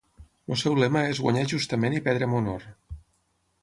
El seu lema és "Guanyar justament i perdre amb honor".